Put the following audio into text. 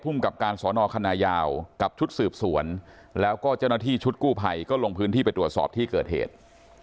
กับการสอนอคณะยาวกับชุดสืบสวนแล้วก็เจ้าหน้าที่ชุดกู้ภัยก็ลงพื้นที่ไปตรวจสอบที่เกิดเหตุ